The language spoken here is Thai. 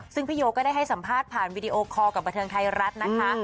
ซึ่งพี่โยก็ได้ให้สัมภาษณ์ผ่านวีดีโอคอลกับบันเทิงไทยรัฐนะคะ